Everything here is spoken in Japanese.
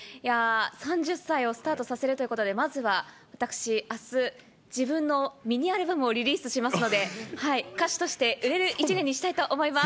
３０歳をスタートさせるということで、まずは私、あす、自分のミニアルバムをリリースしますので、歌手として売れる一年にしたいと思います。